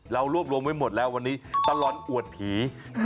เรารวบรวมไว้หมดแล้ววันนี้ตลอดอวดผี